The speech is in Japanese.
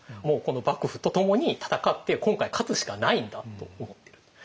もうこの幕府と共に戦って今回勝つしかないんだと思ってる。